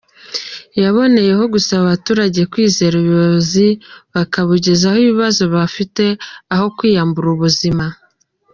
Yaboneyeho gusaba abaturage kwizera ubuyobozi bakabugezaho ibibazo bafite aho kwiyambura ubuzima.